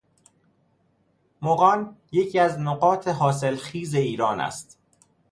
مغان یکی از نقاط حاصلخیز ایران است.